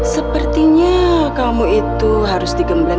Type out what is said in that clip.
sepertinya kamu itu harus digemblen